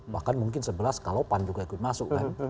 bahkan mungkin sebelas kalau pandu kemudian masuk kan